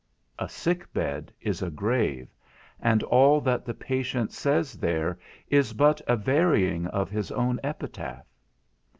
A sick bed is a grave, and all that the patient says there is but a varying of his own epitaph.